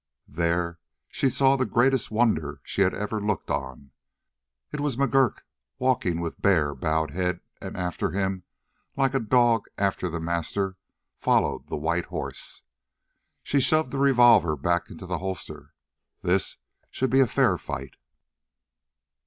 There she saw the greatest wonder she had ever looked on. It was McGurk walking with bare, bowed head, and after him, like a dog after the master, followed the white horse. She shoved the revolver back into the holster. This should be a fair fight.